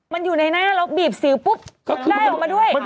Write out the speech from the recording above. มันอยู่ในหน้าแล้วบีบสิวปุ๊บได้ออกมาด้วย